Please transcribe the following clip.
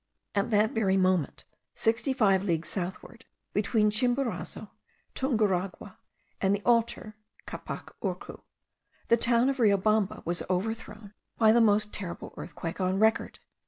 At that very moment, sixty five leagues southward, between Chimborazo, Tunguragua, and the Altar (Capac Urcu), the town of Riobamba was overthrown by the most terrible earthquake on record.